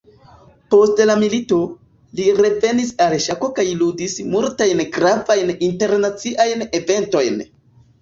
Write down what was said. Post la milito, li revenis al ŝako kaj ludis multajn gravajn internaciajn eventojn.